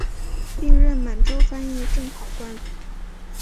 并任满洲翻译正考官。